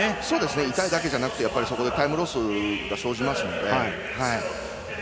痛いだけじゃなくてタイムロスが生じますので。